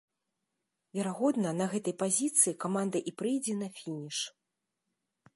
Верагодна, на гэтай пазіцыі каманда і прыйдзе на фініш.